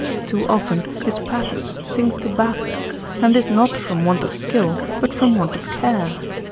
Too often his pathos sinks to bathos, and this not from want of skill, but from want of care.